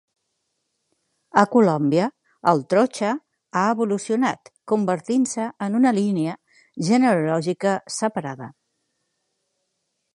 A Colòmbia el "trocha" ha evolucionat, convertint-se en una línia genealògica separada.